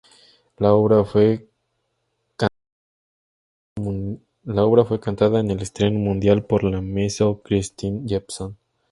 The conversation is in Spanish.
La obra fue cantada en el estreno mundial por la mezzo Kristine Jepson.